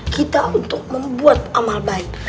kita untuk membuat amal baik